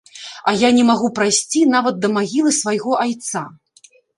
А я не магу прайсці нават да магілы свайго айца.